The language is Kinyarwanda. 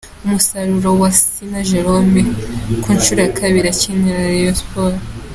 Umusaruro wa Sina Jerôme ku nshuro ya kabiri akinira Rayon Sports.